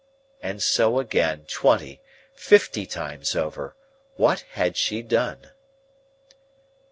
And so again, twenty, fifty times over, What had she done!